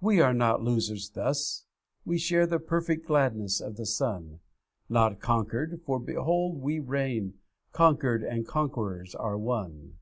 'We are not losers thus; we share The perfect gladness of the Son, Not conquered for, behold, we reign; Conquered and Conqueror are one.